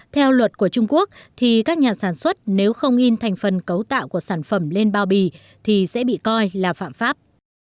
theo luật của trung quốc thì các nhà sản xuất nếu không in thành phần cấu tạo của sản phẩm lên bao bì thì sẽ bị coi là phạm pháp